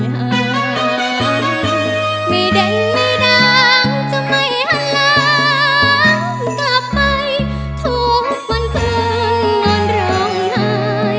ไม่เด่นไม่ดังจะไม่หลังกลับไปทุกวันคืนมันร้องหาย